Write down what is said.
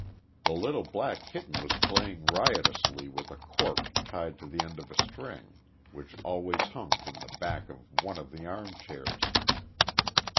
The little black kitten was playing riotously with a cork tied to the end of a string which always hung from the back of one of the armchairs.